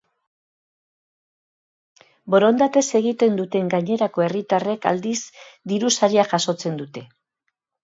Borondatez egiten duten gainerako herritarrek aldiz diru saria jasotzen dute.